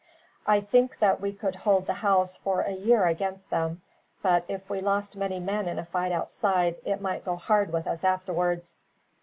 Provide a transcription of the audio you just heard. I think that we could hold the house for a year against them; but if we lost many men in a fight outside, it might go hard with us afterwards."